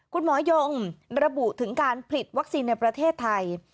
คุณหมอยงระบุถึงการผลิตวัคซีนในประเทศไทย